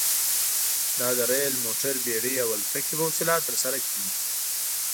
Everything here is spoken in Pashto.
دا د ریل، موټر، بېړۍ او الوتکې په وسیله ترسره کیږي.